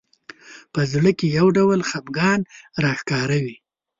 په زړه کې یو ډول خفګان راښکاره وي